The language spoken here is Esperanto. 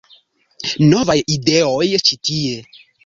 Novaj ideoj ĉi tie